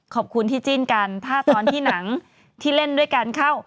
ขอบคุณที่จิ้นกันถ้าตอนที่หนังที่เล่นด้วยกันเข้า